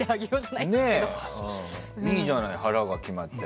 いいじゃない、腹が決まって。